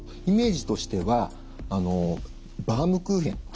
イメージとしてはバームクーヘン。